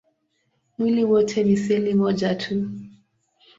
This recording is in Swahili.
Mwili wote ni seli moja tu.